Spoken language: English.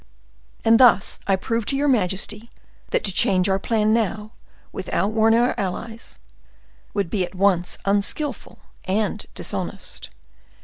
And thus I prove to your majesty that to change our plan now, without warning our allies, would be at once unskillful and dishonest.